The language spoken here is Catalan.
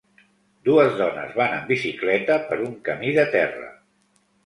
Dues dones van amb bicicleta per un camí de terra.